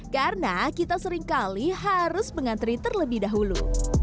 karena kita seringkali harus mengantri terlebih dahulu